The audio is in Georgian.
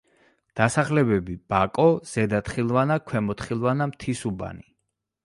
დასახლებები: ბაკო, ზედა თხილვანა, ქვემო თხილვანა, მთისუბანი.